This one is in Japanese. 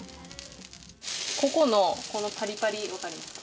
ここのこのパリパリわかりますか？